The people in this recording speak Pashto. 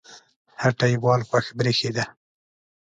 هټۍوال خوښ برېښېده